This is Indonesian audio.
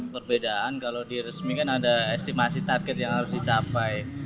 perbedaan kalau di resmi kan ada estimasi target yang harus dicapai